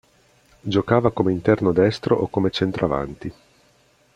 Giocava come interno destro o come centravanti.